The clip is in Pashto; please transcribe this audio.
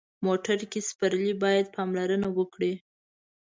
موټر کې سپرلي باید پاملرنه وکړي.